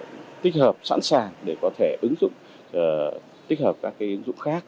và tích hợp sẵn sàng để có thể ứng dụng tích hợp các cái ứng dụng khác